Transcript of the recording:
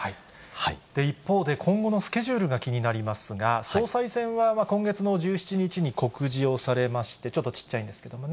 一方で、今後のスケジュールが気になりますが、総裁選は今月の１７日に告示をされまして、ちょっと小っちゃいんですけれどもね。